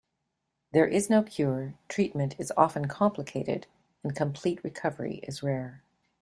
There is no cure, treatment is often complicated, and complete recovery is rare.